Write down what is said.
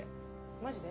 マジで？